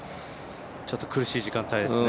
ちょっと苦しい時間帯ですね。